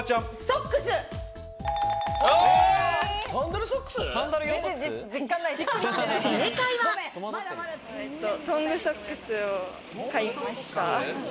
トングソックスを買いました。